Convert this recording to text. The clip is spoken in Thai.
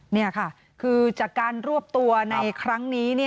นี่ค่ะคือจากการรวบตัวในครั้งนี้